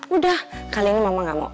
udah kali ini mama enggak mau